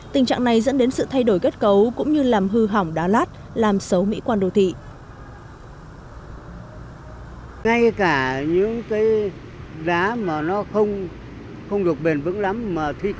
tình trạng này dẫn đến sự thay đổi kết cấu cũng như làm hư hỏng đá lát làm xấu mỹ quan đô thị